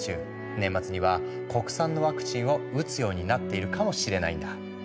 年末には国産のワクチンを打つようになっているかもしれないんだ。